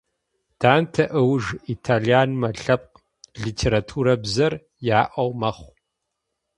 Данте ыуж итальянмэ лъэпкъ литературабзэр яӏэу мэхъу.